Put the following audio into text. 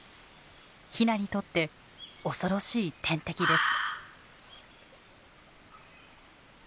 ヒナにとって恐ろしい天敵です。